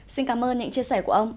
xin cảm ơn những chia sẻ của ông